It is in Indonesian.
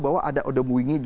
bahwa ada ode mwingi